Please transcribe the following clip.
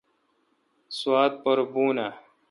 سوات پر بون آں؟